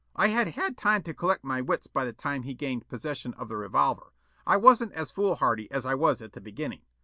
I had had time to collect my wits by the time he gained possession of the revolver. I wasn't as foolhardy as I was at the beginning.